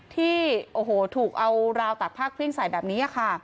ที่โอ้โหถูกเอาราวตากผ้าเครื่องใส่แบบนี้ค่ะ